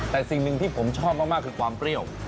แต่สิ่งหนึ่งที่ผมชอบมากคือความเปรี้ยว